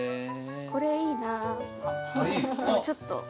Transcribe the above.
これいいなちょっと。